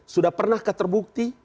sudah pernahkah terbukti